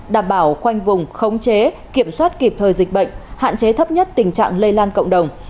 đảm bảo khoanh vùng khống chế kiểm soát kịp thời dịch bệnh hạn chế thấp nhất tình trạng lây lan cộng đồng